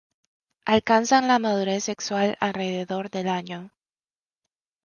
Alcanzan la madurez sexual alrededor del año.